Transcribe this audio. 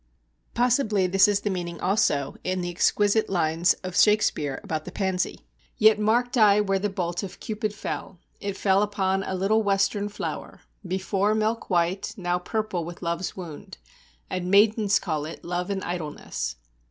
Possibly this is the meaning also in the exquisite lines of Shakespeare about the pansy: "Yet marked I where the bolt of Cupid fell: It fell upon a little western flower, Before milk white, now purple with love's wound, And maidens call it, love in idleness."